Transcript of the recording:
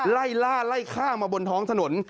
ไล่ล่าไล่ข้างมาบนท้องถนน